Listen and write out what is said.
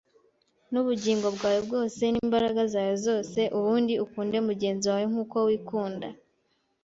n’ubugingo bwawe bwose n’imbaraga zawe zose, ubundi ukunde mugenzi wawe nkuko wikunda